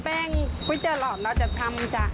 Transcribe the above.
เป้งวิดเจอหลอดเราจะทำจาก